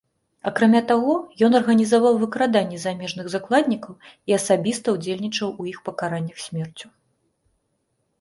Акрамя таго, ён арганізаваў выкраданні замежных закладнікаў і асабіста ўдзельнічаў у іх пакараннях смерцю.